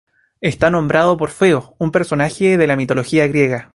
Está nombrado por Feo, un personaje de la mitología griega.